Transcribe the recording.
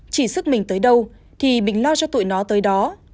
chỉ sức mình tới đâu thì mình lo cho tụi nó tới đó